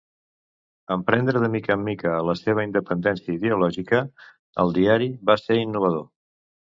En prendre de mica en mica la seva independència ideològica, el diari va ser innovador.